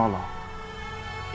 dan tetap berbobot